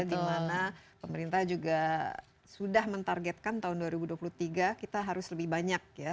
dimana pemerintah juga sudah mentargetkan tahun dua ribu dua puluh tiga kita harus lebih banyak ya